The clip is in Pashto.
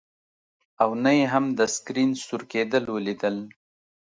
او نه یې هم د سکرین سور کیدل ولیدل